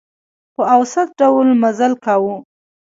په اوسط ډول مزل کاوه.